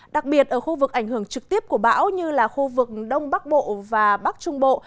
đặc biệt ở khu vực ảnh hưởng trực tiếp của bão như là khu vực đông bắc bộ và bắc trung bộ